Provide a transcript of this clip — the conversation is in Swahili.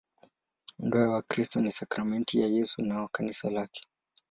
Ndoa ya Wakristo ni sakramenti ya Yesu na Kanisa lake.